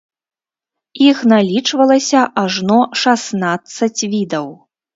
Іх налічвалася ажно шаснаццаць відаў.